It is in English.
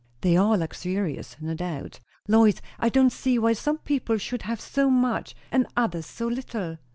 "They are luxurious, no doubt." "Lois, I don't see why some people should have so much, and others so little."